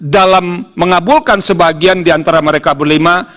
dalam mengabulkan sebagian diantara mereka berlima